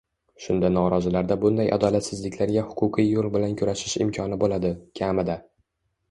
Shunda norozilarda bunday adolatsizliklarga huquqiy yo'l bilan kurashish imkoni bo'ladi, kamida.